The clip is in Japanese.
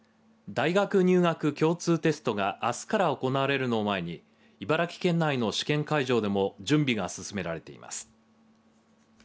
大学入学共通テストがあすから行われるのを前に茨城県内の試験会場でも準備が進められています。